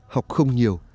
học không nhiều